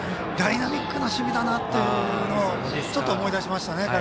ダイナミックな守備だなとちょっと思い出しましたね